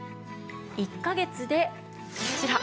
１カ月でこちら。